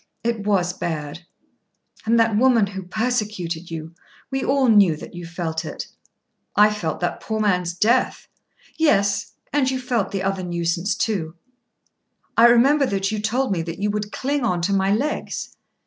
"It was bad." "And that woman who persecuted you! We all knew that you felt it." "I felt that poor man's death." "Yes; and you felt the other nuisance too." "I remember that you told me that you would cling on to my legs."